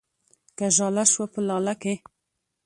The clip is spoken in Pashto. که ژاله شوه په لاله کې